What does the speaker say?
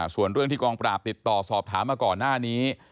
ส่วนเรื่องที่กองปราบติดต่อสอบถามมาก่อนหน้านี้